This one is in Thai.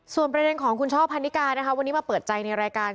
ส่วนแปลงของขุนชอบพันนิการวันนี้มาเปิดใจในรายการ